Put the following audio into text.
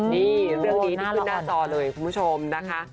นี่เรื่องนี้ที่ขึ้นหน้าจอเลยคุณผู้ชมนะคะ